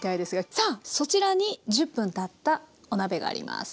さあそちらに１０分たったお鍋があります。